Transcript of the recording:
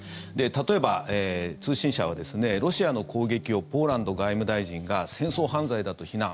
例えば、通信社はロシアの攻撃をポーランド外務大臣が戦争犯罪だと非難。